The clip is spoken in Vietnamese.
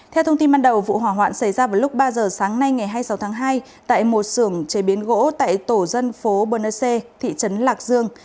theo thông tin ban đầu vụ hỏa hoạn xảy ra vào lúc ba giờ sáng nay ngày hai mươi sáu tháng hai tại một sưởng chế biến gỗ tại tổ dân phố bơ xê thị trấn lạc dương